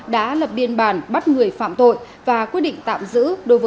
đã lập biên bản bắt người phạm tội và quyết định tạm giữ